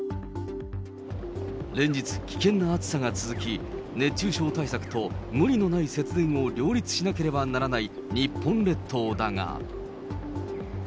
連日、危険な暑さが続き、熱中症対策と、無理のない節電を両立しなければならない日本列島だが。